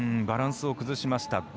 バランスを崩しました